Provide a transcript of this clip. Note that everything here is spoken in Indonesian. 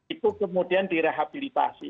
itu kemudian direhabilitasi